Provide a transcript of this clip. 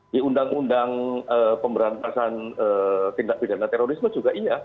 di undang undang pemberantasan tindak pidana terorisme juga iya